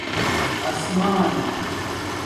اسمان